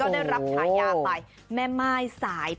มาฉายาไปแม่่มายสาย